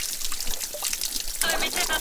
چین پرمختګ نه دی کړی.